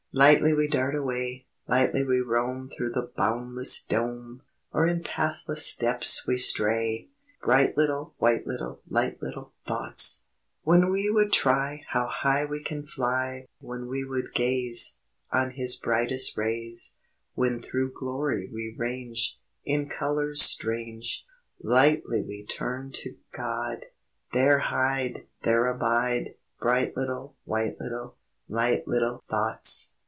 Lightly we dart away! Lightly we roam Through the boundless dome! Or in pathless depths we stray! Bright little, White little, Light little Thoughts!_ "_When we would try How high we can fly, When we would gaze On His brightest rays, When through glory we range, In colours strange, Lightly we turn to God! There hide! There abide! Bright little, White little, Light little Thoughts!